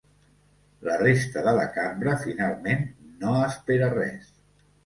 La resta de la cambra, finalment, no espera res.